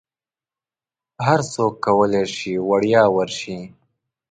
هرڅوک کولی شي وړیا ورشي.